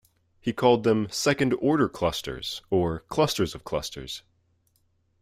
He called them "second-order clusters", or clusters of clusters.